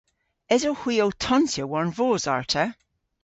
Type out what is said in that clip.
Esowgh hwi ow tonsya war'n voos arta?